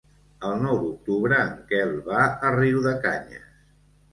El nou d'octubre en Quel va a Riudecanyes.